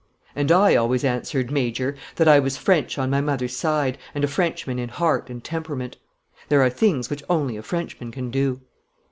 "And I always answered, Major, that I was French on my mother's side and a Frenchman in heart and temperament. There are things which only a Frenchman can do."